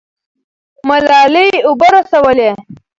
ملالۍ اوبه رسولې.